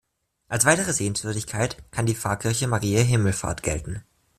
Als weitere Sehenswürdigkeit kann die Pfarrkirche Mariä Himmelfahrt gelten.